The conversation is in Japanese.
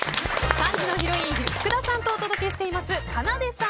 ３時のヒロイン福田さんとお届けしていますかなでさん